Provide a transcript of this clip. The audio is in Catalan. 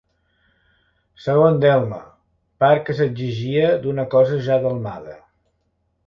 Segon delme, part que s'exigia d'una cosa ja delmada.